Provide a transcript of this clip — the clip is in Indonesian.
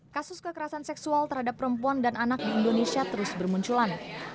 kasus kekerasan seksual terhadap perempuan dan anak di indonesia terus bermunculan